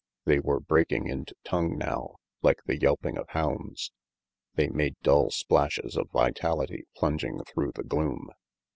They were breaking into tongue now, like the yelping of hounds. They were dull splashes of vitality plunging through the gloom.